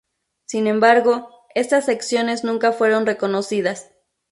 Sin embargo, estas secciones nunca fueron reconocidas.